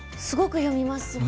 すごく読みます。